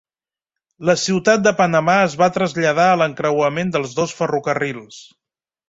La ciutat de Panamà es va traslladar a l'encreuament dels dos ferrocarrils.